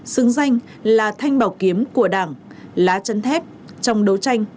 xứng danh là thanh bảo kiếm của đảng lá chân thép trong đấu tranh